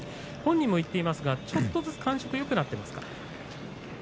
本人も言っていますがちょっとずつ感触がよくなったでしょうか？